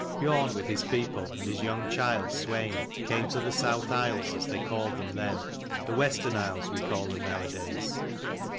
Biorn, with his people and his young child Swein, came to the South Isles, as they called them then, the Western Isles we call them nowadays.